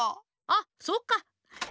あそっか。